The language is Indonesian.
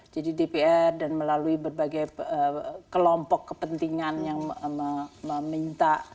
jadi dpr dan melalui berbagai kelompok kepentingan yang meminta